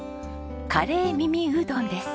カレー耳うどんです。